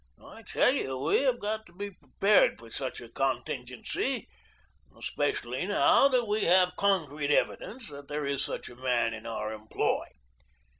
I tell you, we have got to be prepared for such a contingency, especially now that we have concrete evidence that there is such a man in our employ.